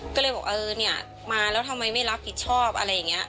ก็เลยบอกเออเนี่ยมาแล้วทำไมไม่รับผิดชอบอะไรอย่างนี้